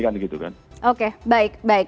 kan gitu kan oke baik baik